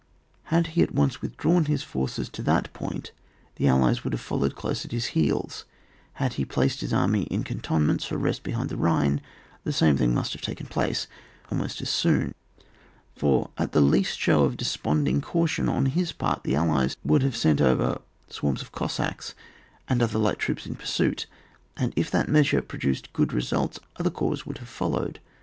Had he at once withdrawn his forces to that point, the Allies would have followed close at his heels ; had he placed his army in cantonments for rest behind the Bhine, the same thing must have taken place almost as soon, for at the least show of desponding caution on his part, the Allies woiild have sent over swarms of Cossacks and other light troops in pur suit, and, if that measure produced good results, other corps would have followed.